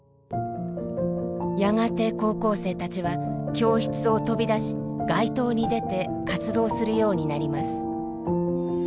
やがて高校生たちは教室を飛び出し街頭に出て活動するようになります。